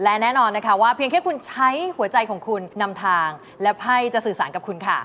และแน่นอนนะคะว่าเพียงแค่คุณใช้หัวใจของคุณนำทางและไพ่จะสื่อสารกับคุณค่ะ